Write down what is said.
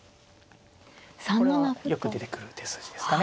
これはよく出てくる手筋ですかね。